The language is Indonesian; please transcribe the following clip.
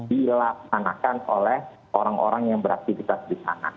dilaksanakan oleh orang orang yang beraktivitas di sana